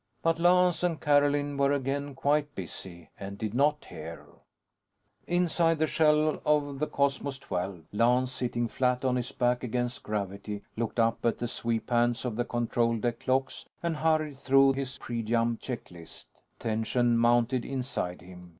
But Lance and Carolyn were again quite busy, and did not hear. Inside the shell of the Cosmos XII, Lance, sitting flat on his back against gravity, looked up at the sweep hands on the control deck clocks and hurried through his pre jump check list. Tension mounted inside him.